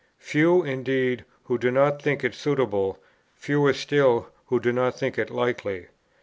Few, indeed, who do not think it suitable, fewer still, who do not think it likely.